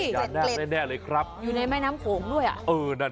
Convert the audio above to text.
อยู่ในแม่น้ำโขงด้วย